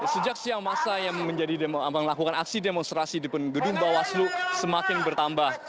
sejak siang masa yang melakukan aksi demonstrasi di gedung bawaslu semakin bertambah